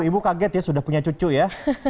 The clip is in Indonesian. ibu kaget ya sudah punya cucu ya